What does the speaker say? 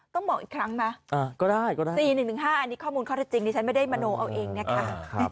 ต้องบอกอีกครั้งไหมสี่หนึ่งห้าอันนี้ข้อมูลข้อจริงนี่ฉันไม่ได้มโนเอาเองนะคะ